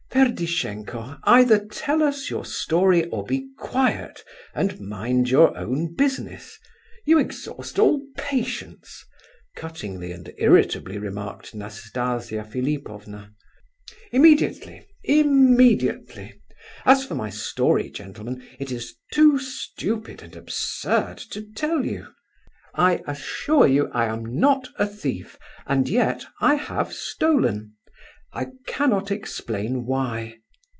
"Ferdishenko—either tell us your story, or be quiet, and mind your own business. You exhaust all patience," cuttingly and irritably remarked Nastasia Philipovna. "Immediately, immediately! As for my story, gentlemen, it is too stupid and absurd to tell you. "I assure you I am not a thief, and yet I have stolen; I cannot explain why.